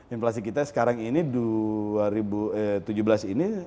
inflasi kita sekarang ini dua ribu tujuh belas ini